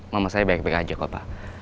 mama saya baik baik aja kok pak